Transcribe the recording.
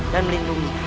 dan melindungi hak rakyat